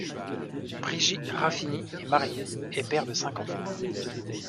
Brigi Rafini est marié et père de cinq enfants.